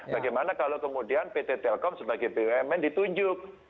bagaimana kalau kemudian pt telkom sebagai bumn ditunjuk